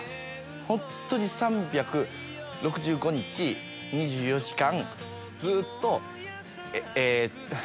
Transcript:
本当に３６５日２４時間ずっとえ。